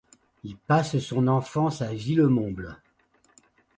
Il passe son enfance à Villemomble.